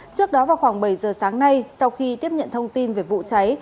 trước đó vào khoảng bảy giờ sáng nay sau khi tiếp nhận thông tin về vụ cháy